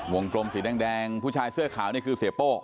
กลมสีแดงผู้ชายเสื้อขาวนี่คือเสียโป้